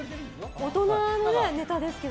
大人のネタですけど。